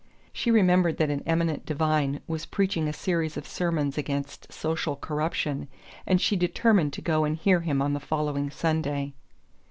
She remembered that an eminent divine was preaching a series of sermons against Social Corruption, and she determined to go and hear him on the following Sunday.